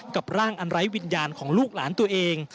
กับร่างอันไร้วิญญาณของลูกหลานตัวเอง